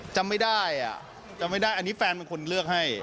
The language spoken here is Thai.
จำไม่ได้อ่ะจำไม่ได้อันนี้แฟนเป็นคนเลือกให้